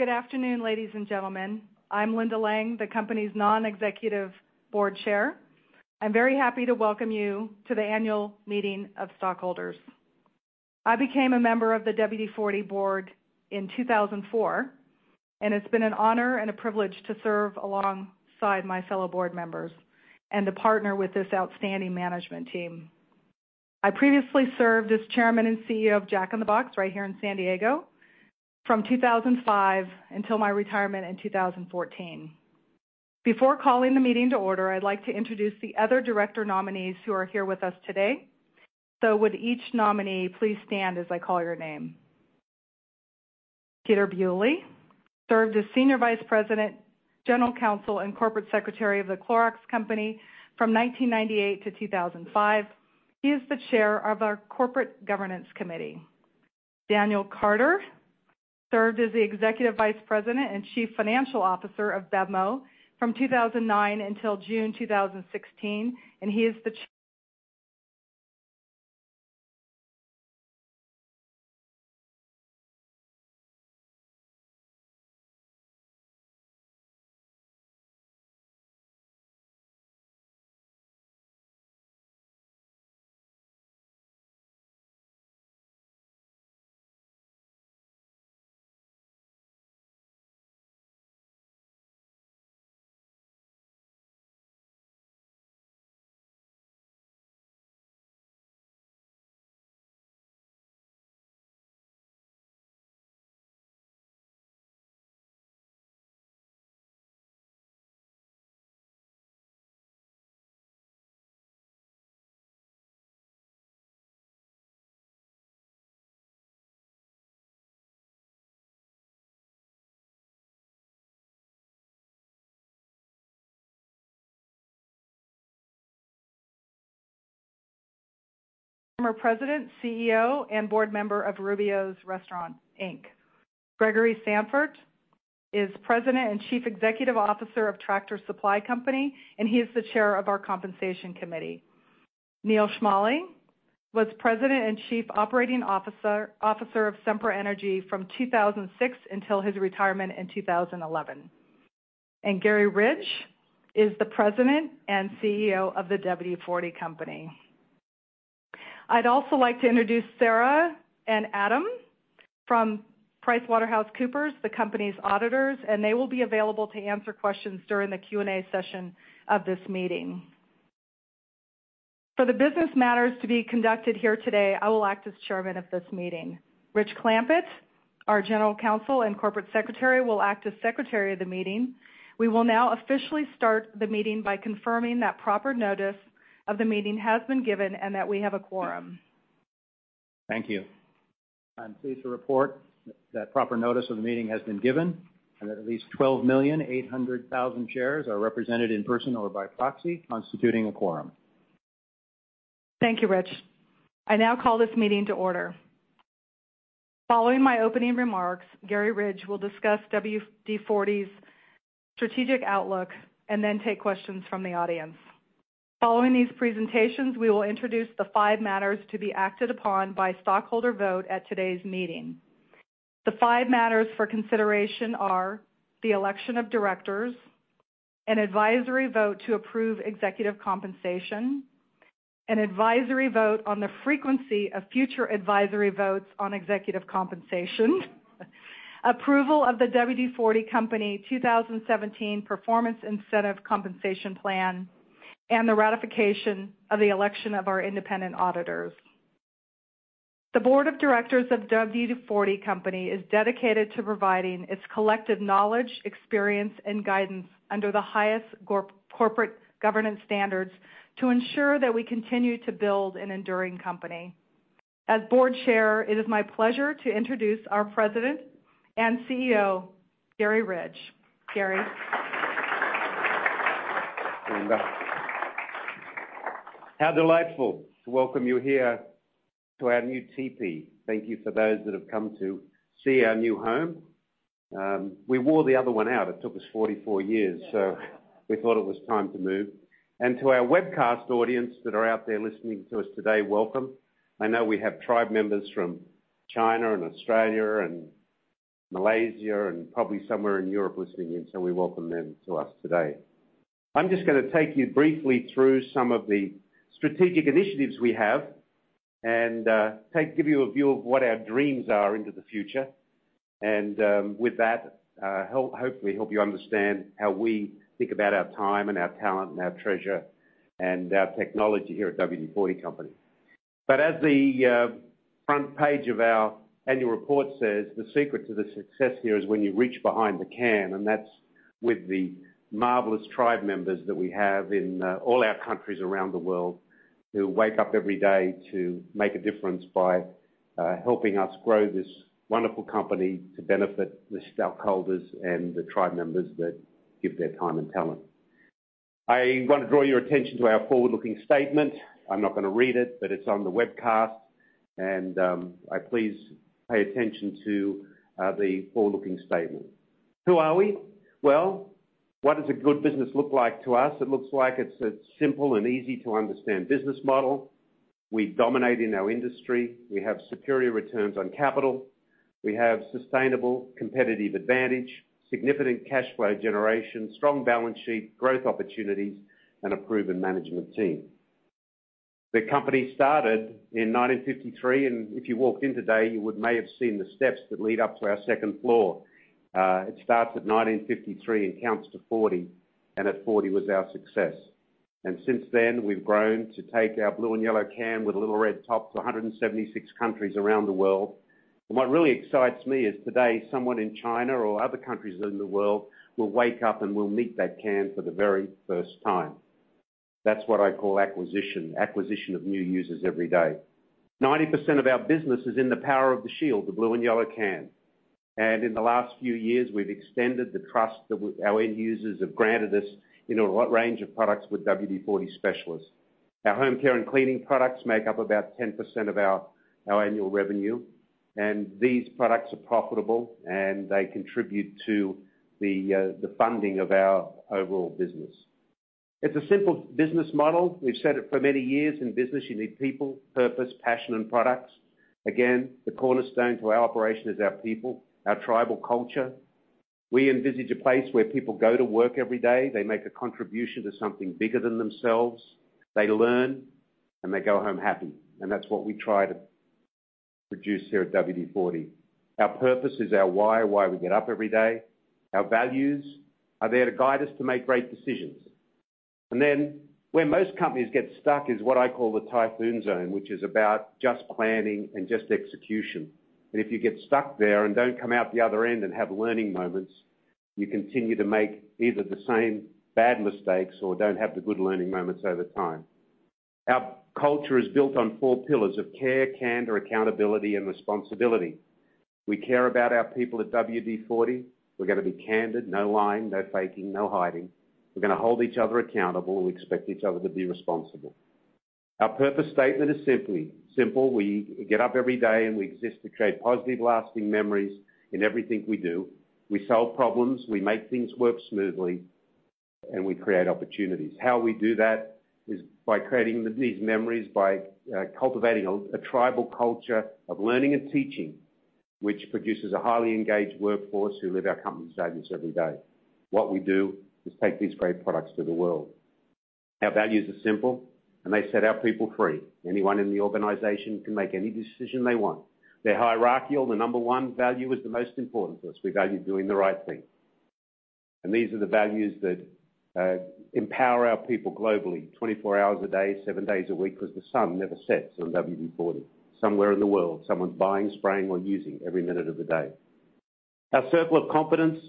Good afternoon, ladies and gentlemen. I'm Linda Lang, the company's Non-Executive Board Chair. I'm very happy to welcome you to the annual meeting of stockholders. I became a member of the WD-40 board in 2004, and it's been an honor and a privilege to serve alongside my fellow board members and to partner with this outstanding management team. I previously served as Chairman and CEO of Jack in the Box right here in San Diego from 2005 until my retirement in 2014. Before calling the meeting to order, I'd like to introduce the other director nominees who are here with us today. Would each nominee please stand as I call your name? Peter Bewley served as Senior Vice President, General Counsel, and Corporate Secretary of The Clorox Company from 1998 to 2005. He is the Chair of our Corporate Governance Committee. Daniel Carter served as the Executive Vice President and Chief Financial Officer of BevMo! from 2009 until June 2016, and he is the Former President, CEO, and Board Member of Rubio's Restaurants, Inc. Gregory Sanford is President and Chief Executive Officer of Tractor Supply Company, and he is the Chair of our Compensation Committee. Neil Smalley was President and Chief Operating Officer of Sempra Energy from 2006 until his retirement in 2011. Garry Ridge is the President and CEO of the WD-40 Company. I'd also like to introduce Sarah and Adam from PricewaterhouseCoopers, the company's auditors, and they will be available to answer questions during the Q&A session of this meeting. For the business matters to be conducted here today, I will act as Chairman of this meeting. Rich Clampitt, our General Counsel and Corporate Secretary, will act as Secretary of the meeting. We will now officially start the meeting by confirming that proper notice of the meeting has been given and that we have a quorum. Thank you. I'm pleased to report that proper notice of the meeting has been given and that at least 12,800,000 shares are represented in person or by proxy, constituting a quorum. Thank you, Rich. I now call this meeting to order. Following my opening remarks, Garry Ridge will discuss WD-40's strategic outlook and then take questions from the audience. Following these presentations, we will introduce the five matters to be acted upon by stockholder vote at today's meeting. The five matters for consideration are the election of directors, an advisory vote to approve executive compensation, an advisory vote on the frequency of future advisory votes on executive compensation, approval of the WD-40 Company 2017 Performance Incentive Compensation Plan, and the ratification of the election of our independent auditors. The board of directors of WD-40 Company is dedicated to providing its collective knowledge, experience, and guidance under the highest corporate governance standards to ensure that we continue to build an enduring company. As President and CEO, it is my pleasure to introduce our Board Chair, Garry Ridge. Garry? Linda. How delightful to welcome you here to our new teepee. Thank you to those that have come to see our new home. We wore the other one out. It took us 44 years, so we thought it was time to move. To our webcast audience that are out there listening to us today, welcome. I know we have tribe members from China and Australia and Malaysia and probably somewhere in Europe listening in, so we welcome them to us today. I'm just going to take you briefly through some of the strategic initiatives we have and give you a view of what our dreams are into the future and, with that, hopefully help you understand how we think about our time and our talent and our treasure and our technology here at WD-40 Company. As the front page of our annual report says, the secret to the success here is when you reach behind the can, and that's with the marvelous tribe members that we have in all our countries around the world, who wake up every day to make a difference by helping us grow this wonderful company to benefit the stockholders and the tribe members that give their time and talent. I want to draw your attention to our forward-looking statement. I'm not going to read it, but it's on the webcast. Please pay attention to the forward-looking statement. Who are we? What does a good business look like to us? It looks like it's a simple and easy-to-understand business model. We dominate in our industry. We have superior returns on capital. We have sustainable competitive advantage, significant cash flow generation, strong balance sheet, growth opportunities, and a proven management team. The company started in 1953, and if you walked in today, you may have seen the steps that lead up to our second floor. It starts at 1953 and counts to 40, and at 40 was our success. Since then, we've grown to take our blue and yellow can with a little red top to 176 countries around the world. What really excites me is today, someone in China or other countries in the world will wake up and will meet that can for the very first time. That's what I call acquisition of new users every day. 90% of our business is in the power of the shield, the blue and yellow can. In the last few years, we've extended the trust that our end users have granted us in a range of products with WD-40 Specialist. Our home care and cleaning products make up about 10% of our annual revenue. These products are profitable, and they contribute to the funding of our overall business. It's a simple business model. We've said it for many years. In business, you need people, purpose, passion, and products. Again, the cornerstone to our operation is our people, our tribal culture. We envisage a place where people go to work every day, they make a contribution to something bigger than themselves, they learn, and they go home happy. That's what we try to produce here at WD-40. Our purpose is our why we get up every day. Our values are there to guide us to make great decisions. Then, where most companies get stuck is what I call the typhoon zone, which is about just planning and just execution. If you get stuck there and don't come out the other end and have learning moments, you continue to make either the same bad mistakes or don't have the good learning moments over time. Our culture is built on four pillars of care, candor, accountability, and responsibility. We care about our people at WD-40. We're going to be candid, no lying, no faking, no hiding. We're going to hold each other accountable. We expect each other to be responsible. Our purpose statement is simple. We get up every day. We exist to create positive, lasting memories in everything we do. We solve problems, we make things work smoothly. We create opportunities. How we do that is by creating these memories, by cultivating a tribal culture of learning and teaching, which produces a highly engaged workforce who live our company's values every day. What we do is take these great products to the world. Our values are simple. They set our people free. Anyone in the organization can make any decision they want. They're hierarchical. The number 1 value is the most important to us. We value doing the right thing. These are the values that empower our people globally, 24 hours a day, seven days a week, because the sun never sets on WD-40. Somewhere in the world, someone's buying, spraying, or using every minute of the day. Our circle of competence.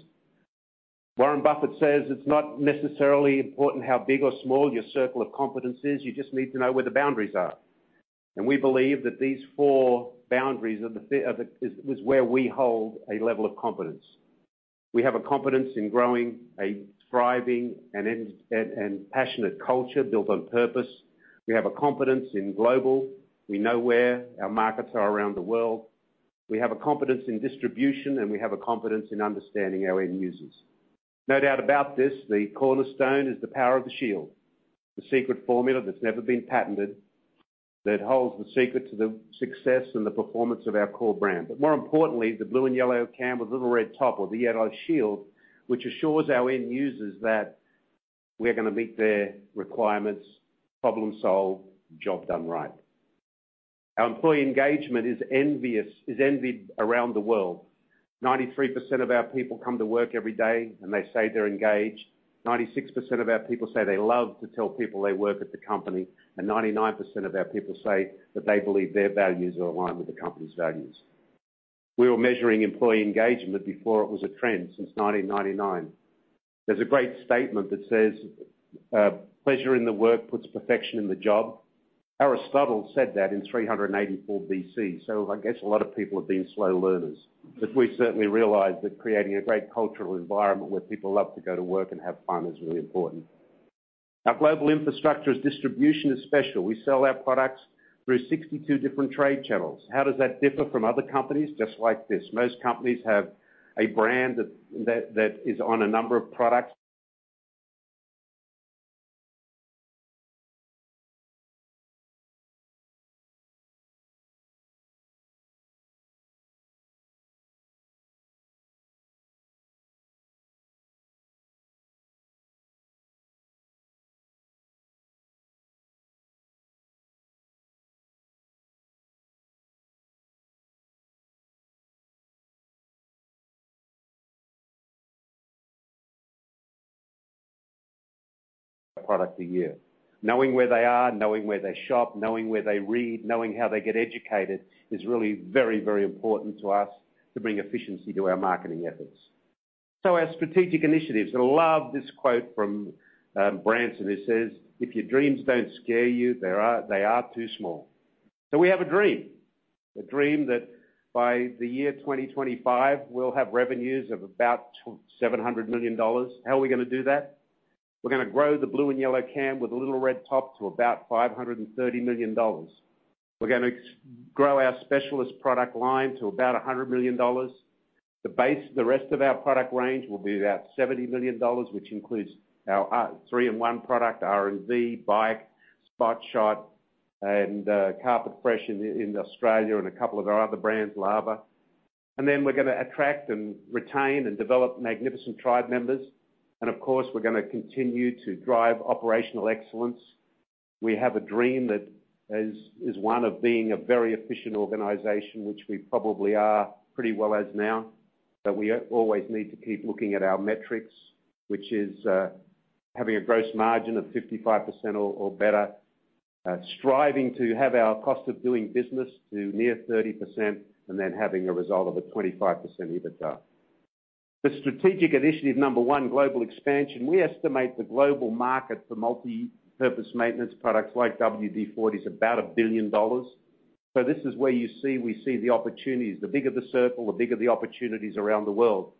Warren Buffett says it's not necessarily important how big or small your circle of competence is. You just need to know where the boundaries are. We believe that these four boundaries is where we hold a level of competence. We have a competence in growing a thriving and passionate culture built on purpose. We have a competence in global. We know where our markets are around the world. We have a competence in distribution. We have a competence in understanding our end users. No doubt about this, the cornerstone is the power of the shield, the secret formula that's never been patented, that holds the secret to the success and the performance of our core brand. More importantly, the blue and yellow can with little red top or the yellow shield, which assures our end users that we're going to meet their requirements, problem solved, job done right. Our employee engagement is envied around the world. 93% of our people come to work every day. They say they're engaged. 96% of our people say they love to tell people they work at the company, and 99% of our people say that they believe their values are aligned with the company's values. We were measuring employee engagement before it was a trend since 1999. There's a great statement that says, "Pleasure in the work puts perfection in the job." Aristotle said that in 384 BC, so I guess a lot of people have been slow learners. We certainly realize that creating a great cultural environment where people love to go to work and have fun is really important. Our global infrastructure's distribution is special. We sell our products through 62 different trade channels. How does that differ from other companies? Just like this. Most companies have a brand that is on a number of products. Product a year. Knowing where they are, knowing where they shop, knowing where they read, knowing how they get educated is really very, very important to us to bring efficiency to our marketing efforts. Our strategic initiatives. I love this quote from Branson. It says, "If your dreams don't scare you, they are too small." We have a dream, a dream that by the year 2025, we'll have revenues of about $700 million. How are we going to do that? We're going to grow the blue and yellow can with a little red top to about $530 million. We're going to grow our specialist product line to about $100 million. The base, the rest of our product range will be about $70 million, which includes our 3-IN-ONE product, RV, Bike, Spot Shot, and Carpet Fresh in Australia and a couple of our other brands, Lava. We're going to attract, retain, and develop magnificent tribe members. Of course, we're going to continue to drive operational excellence. We have a dream that is one of being a very efficient organization, which we probably are pretty well as now, but we always need to keep looking at our metrics, which is having a gross margin of 55% or better, striving to have our cost of doing business to near 30%, and then having a result of a 25% EBITDA. The strategic initiative number 1, global expansion. We estimate the global market for multi-purpose maintenance products like WD-40 is about $1 billion. This is where you see, we see the opportunities. The bigger the circle, the bigger the opportunities around the world.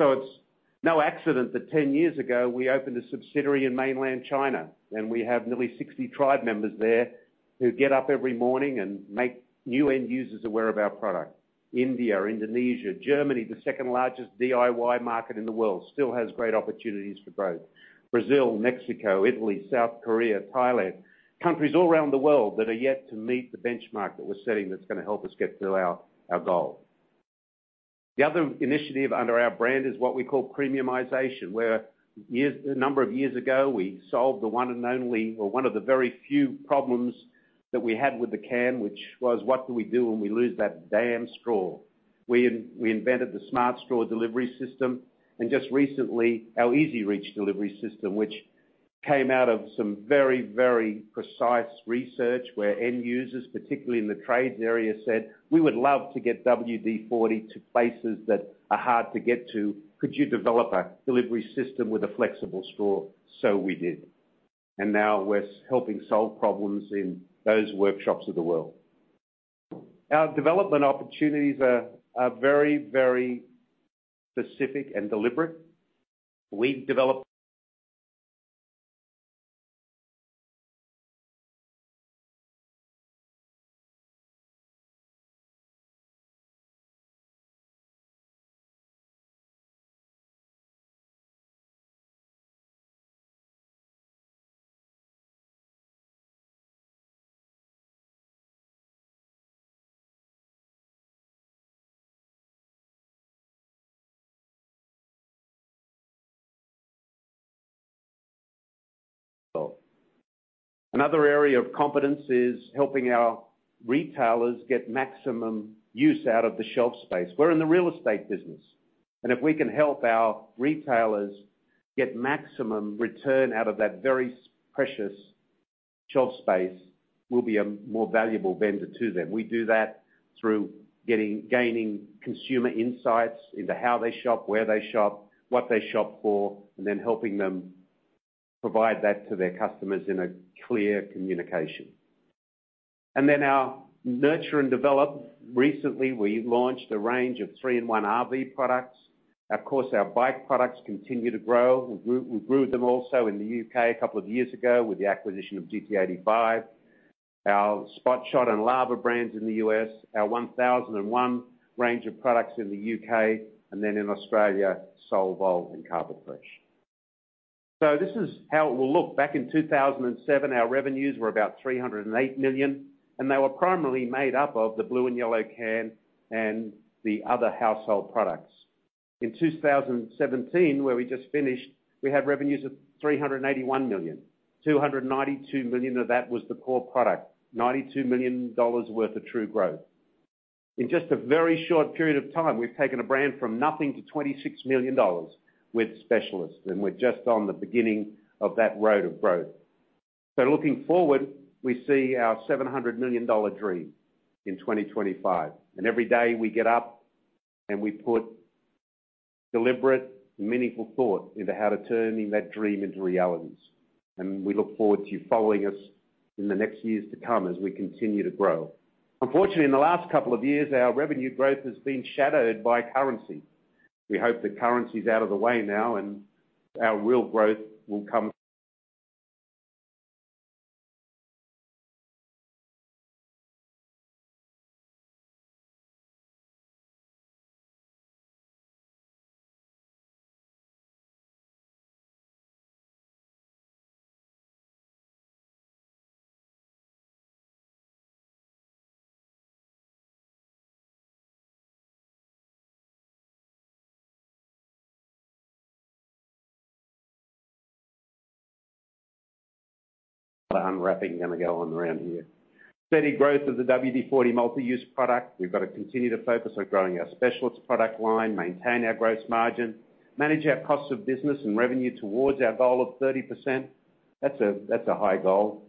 It's no accident that 10 years ago, we opened a subsidiary in mainland China, and we have nearly 60 tribe members there who get up every morning and make new end users aware of our product. India, Indonesia, Germany, the second largest DIY market in the world, still has great opportunities for growth. Brazil, Mexico, Italy, South Korea, Thailand, countries all around the world that are yet to meet the benchmark that we're setting that's going to help us get to our goal. The other initiative under our brand is what we call premiumization, where a number of years ago, we solved the one and only, or one of the very few problems that we had with the can, which was, what do we do when we lose that damn straw? We invented the Smart Straw delivery system, just recently, our EZ-REACH delivery system, which came out of some very, very precise research where end users, particularly in the trades area, said, "We would love to get WD-40 to places that are hard to get to. Could you develop a delivery system with a flexible straw?" We did. Now we're helping solve problems in those workshops of the world. Our development opportunities are very, very specific and deliberate. Another area of competence is helping our retailers get maximum use out of the shelf space. We're in the real estate business, if we can help our retailers get maximum return out of that very precious shelf space, we'll be a more valuable vendor to them. We do that through gaining consumer insights into how they shop, where they shop, what they shop for, then helping them provide that to their customers in a clear communication. Our nurture and develop. Recently, we launched a range of 3-IN-ONE RVcare products. Of course, our BIKE products continue to grow. We grew them also in the U.K. a couple of years ago with the acquisition of GT85, our Spot Shot and Lava brands in the U.S., our 1001 range of products in the U.K., then in Australia, Solvol and Carpet Fresh. This is how it will look. Back in 2007, our revenues were about $308 million, they were primarily made up of the blue and yellow can and the other household products. In 2017, where we just finished, we had revenues of $381 million. $292 million of that was the core product, $92 million worth of true growth. In just a very short period of time, we've taken a brand from nothing to $26 million with Specialist, we're just on the beginning of that road of growth. Looking forward, we see our $700 million dream in 2025. Every day we get up we put deliberate, meaningful thought into how to turning that dream into realities. We look forward to you following us in the next years to come as we continue to grow. Unfortunately, in the last couple of years, our revenue growth has been shadowed by currency. We hope that currency is out of the way now and our real growth will come. Unwrapping going to go on around here. Steady growth of the WD-40 Multi-Use Product. We've got to continue to focus on growing our Specialist product line, maintain our gross margin, manage our cost of business and revenue towards our goal of 30%. That's a high goal,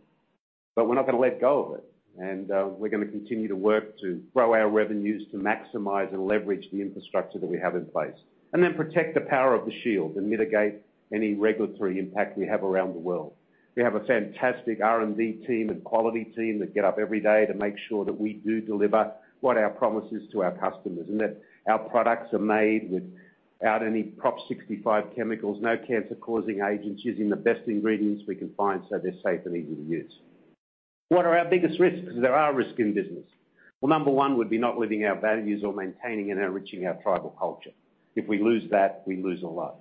we're not going to let go of it. We're going to continue to work to grow our revenues to maximize and leverage the infrastructure that we have in place. Protect the power of the shield and mitigate any regulatory impact we have around the world. We have a fantastic R&D team and quality team that get up every day to make sure that we do deliver what our promise is to our customers, and that our products are made without any Prop 65 chemicals, no cancer-causing agents, using the best ingredients we can find so they're safe and easy to use. What are our biggest risks? Because there are risks in business. Well, number one would be not living our values or maintaining and enriching our tribal culture. If we lose that, we lose a lot.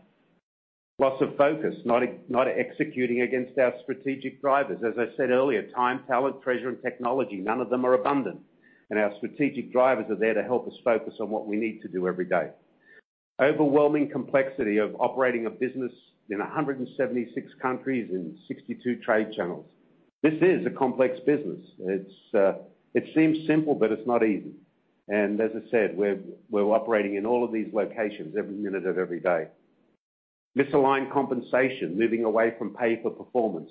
Loss of focus, not executing against our strategic drivers. As I said earlier, time, talent, treasure, and technology, none of them are abundant, and our strategic drivers are there to help us focus on what we need to do every day. Overwhelming complexity of operating a business in 176 countries in 62 trade channels. This is a complex business. It seems simple, but it's not easy. As I said, we're operating in all of these locations every minute of every day. Misaligned compensation, moving away from pay for performance.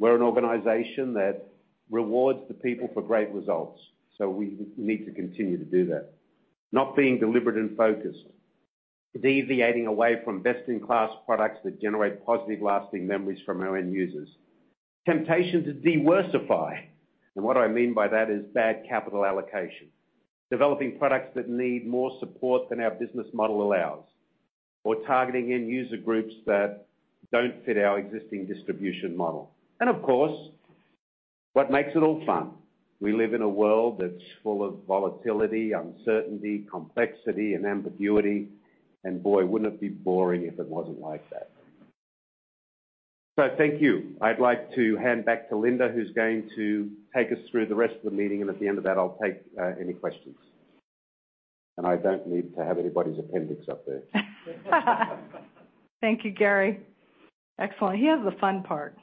We're an organization that rewards the people for great results, so we need to continue to do that. Not being deliberate and focused. Deviating away from best-in-class products that generate positive, lasting memories from our end users. Temptation to de-worsify. What I mean by that is bad capital allocation. Developing products that need more support than our business model allows or targeting end user groups that don't fit our existing distribution model. Of course, what makes it all fun, we live in a world that's full of volatility, uncertainty, complexity and ambiguity, and boy, wouldn't it be boring if it wasn't like that? Thank you. I'd like to hand back to Linda, who's going to take us through the rest of the meeting, and at the end of that, I'll take any questions. I don't need to have anybody's appendix up there. Thank you, Garry. Excellent. He has the fun part.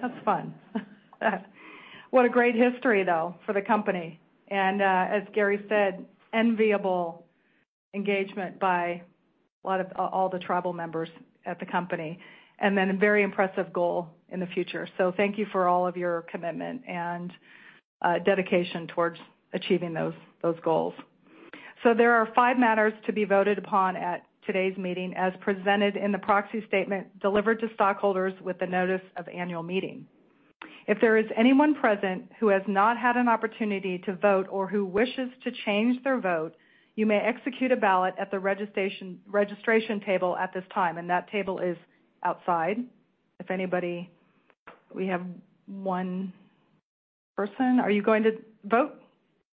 That's fun. What a great history, though, for the company. As Garry said, enviable engagement by all the tribal members at the company, and then a very impressive goal in the future. Thank you for all of your commitment and dedication towards achieving those goals. There are five matters to be voted upon at today's meeting, as presented in the proxy statement delivered to stockholders with the notice of annual meeting. If there is anyone present who has not had an opportunity to vote or who wishes to change their vote, you may execute a ballot at the registration table at this time, and that table is outside. We have one person. Are you going to vote?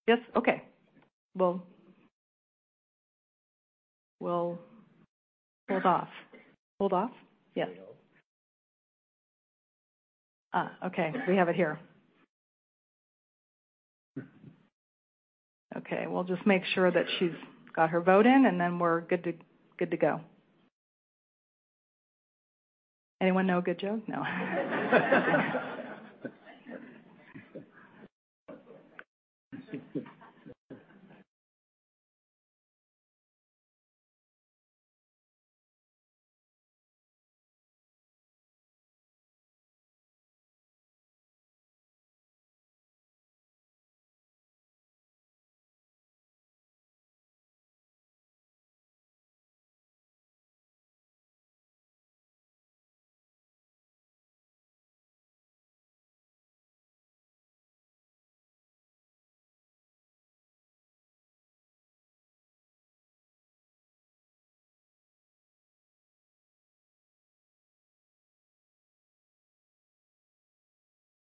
Yes? Okay. We'll hold off. Hold off? Yes. Okay. We have it here. Okay. We'll just make sure that she's got her vote in, and then we're good to go. Anyone know a good joke? No.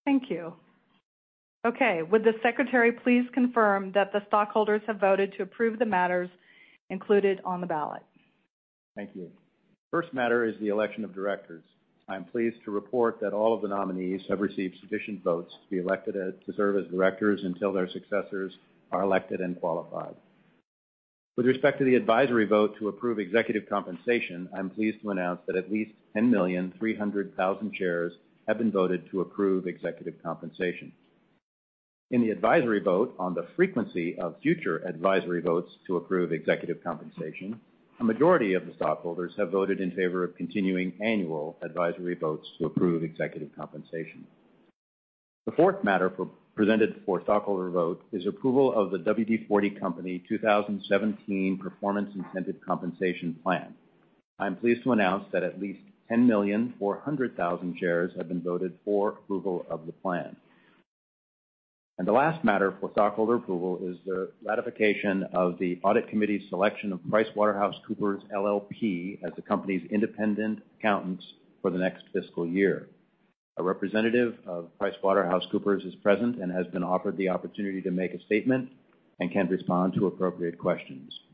Thank you. Okay. Would the secretary please confirm that the stockholders have voted to approve the matters included on the ballot? Thank you. First matter is the election of directors. I'm pleased to report that all of the nominees have received sufficient votes to be elected to serve as directors until their successors are elected and qualified. With respect to the advisory vote to approve executive compensation, I'm pleased to announce that at least 10,300,000 shares have been voted to approve executive compensation. In the advisory vote on the frequency of future advisory votes to approve executive compensation, a majority of the stockholders have voted in favor of continuing annual advisory votes to approve executive compensation. The fourth matter presented for stockholder vote is approval of the WD-40 Company 2017 Performance Incentive Compensation Plan. I'm pleased to announce that at least 10,400,000 shares have been voted for approval of the plan. The last matter for stockholder approval is the ratification of the audit committee's selection of PricewaterhouseCoopers LLP as the company's independent accountants for the next fiscal year. A representative of PricewaterhouseCoopers is present and has been offered the opportunity to make a statement and can respond to appropriate questions.